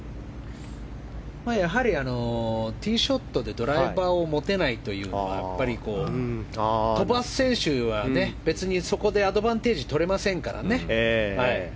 やはりティーショットでドライバーを持てないというのは飛ばす選手は別にそこでアドバンテージをとれませんからね。